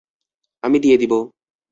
আমি দিয়ে দিবো।